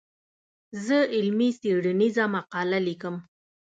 زه علمي څېړنيزه مقاله ليکم.